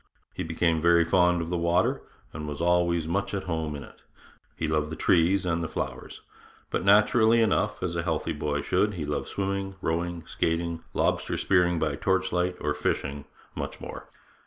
He became very fond of the water, and was always much at home in it. He loved the trees and the flowers; but naturally enough, as a healthy boy should, he loved swimming, rowing, skating, lobster spearing by torch light, or fishing, much more.